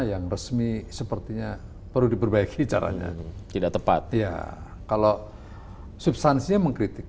yang resmi sepertinya perlu diperbaiki caranya tidak tepat ya kalau substansinya mengkritik